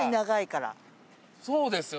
そうですよ。